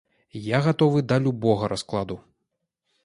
Я гатовы да любога раскладу.